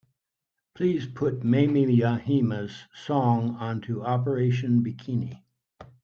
Please put maimi yajima's song onto Operación Bikini.